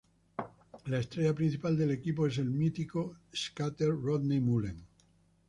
Su estrella principal del equipo es el mítico skater Rodney Mullen.